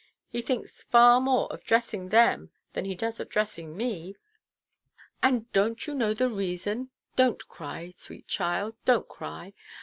He thinks far more of dressing them than he does of dressing me." "And donʼt you know the reason? Donʼt cry, sweet child; donʼt cry.